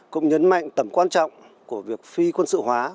cũng nhấn mạnh tầm quan trọng của việc phi quân sự hóa